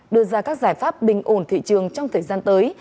đưa ra các giải pháp bình ổn thị trường trong thời gian tới